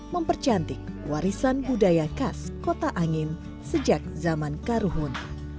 mempercantik warisan budaya khas kota angin sejak zaman karuhun